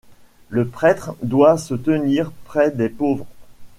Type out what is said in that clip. Le prêtre doit se tenir près des pauvres.